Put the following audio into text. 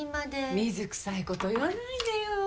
水くさいこと言わないでよ。